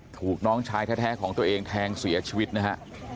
ถูกน้องชายแท้ของตัวเองแทงเสียชีวิตนะฮะ